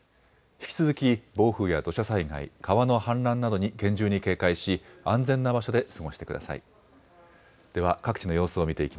引き続き暴風や土砂災害、川の氾濫などに厳重に警戒し、安全な場所で過ごしてください。